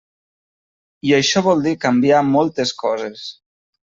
I això vol dir canviar moltes coses.